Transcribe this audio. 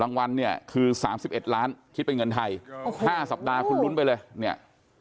รางวัลเนี่ยคือ๓๑ล้านคิดเป็นเงินไทย๕สัปดาห์คุณลุ้นไปเลยเนี่ย